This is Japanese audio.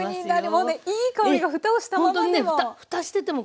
もうねいい香りがふたをしたままでも。